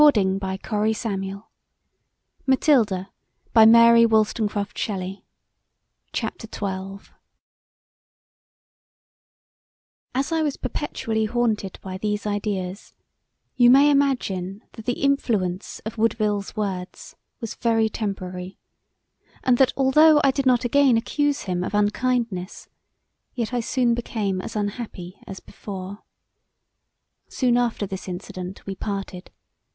[F] Spencer's Faery Queen Book 1 Canto CHAPTER XII As I was perpetually haunted by these ideas, you may imagine that the influence of Woodville's words was very temporary; and that although I did not again accuse him of unkindness, yet I soon became as unhappy as before. Soon after this incident we parted.